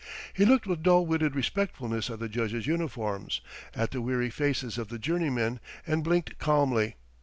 He looked with dull witted respectfulness at the judges' uniforms, at the weary faces of the jurymen, and blinked calmly.